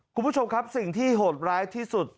คุณผู้ชมครับสิ่งที่โหดร้ายที่สุด